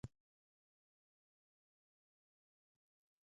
Anar a cobrar al rec.